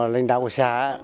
lãnh đạo của xã